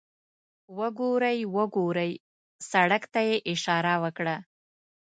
وګورئ، وګورئ، سړک ته یې اشاره وکړه.